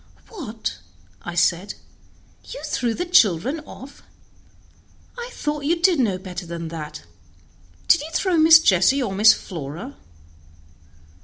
"What!" said I, "you threw the children off? I thought you did know better than that! Did you throw Miss Jessie or Miss Flora?"